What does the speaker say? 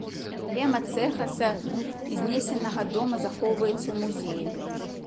Эмблема цэха са знесенага дома захоўваецца ў музеі.